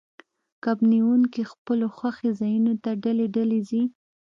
کب نیونکي خپلو خوښې ځایونو ته ډلې ډلې ځي